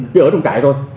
chỉ ở trong trại thôi